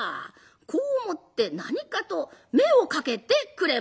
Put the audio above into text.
こう思って何かと目をかけてくれました。